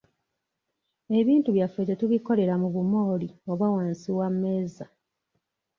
Ebintu byaffe tetubikolera mu bumooli oba wansi wa mmeeza.